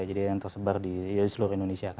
jadi yang tersebar di seluruh indonesia